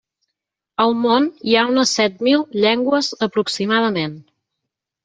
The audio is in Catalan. Al món hi ha unes set mil llengües aproximadament.